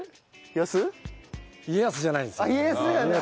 家康じゃないんですよね。